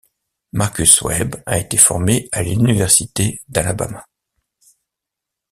Marcus Webb a été formé à l'Université d'Alabama.